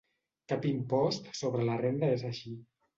Cap impost sobre la renda és així.